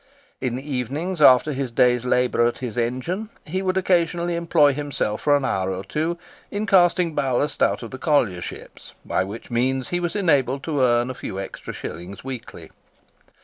In the evenings, after his day's labour at his engine, he would occasionally employ himself for an hour or two in casting ballast out of the collier ships, by which means he was enabled to earn a few extra shillings weekly.